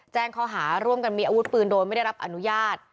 แจ้งข้อหาร่วมกันมีอาวุธปืนโดยไม่ได้รับอนุญาต